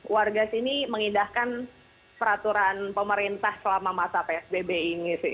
warga sini mengindahkan peraturan pemerintah selama masa psbb ini